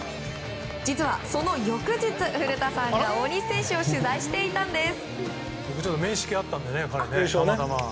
実はその翌日古田さんが大西選手を取材していたんです。